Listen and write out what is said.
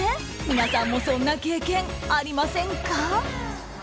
皆さんもそんな経験ありませんか？